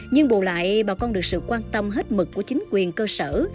nhưng bù lại bà con được sự quan tâm hết mực của chính quyền cơ sở